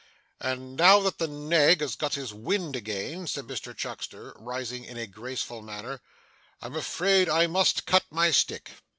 'And now that the nag has got his wind again,' said Mr Chuckster rising in a graceful manner, 'I'm afraid I must cut my stick.